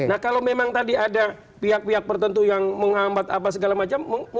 nah kalau memang tadi ada pihak pihak tertentu yang menghambat apa segala macam